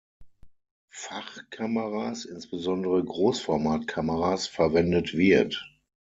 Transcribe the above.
Fachkameras, insbesondere Großformatkameras, verwendet wird.